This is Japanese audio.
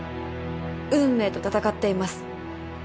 運命と闘っています。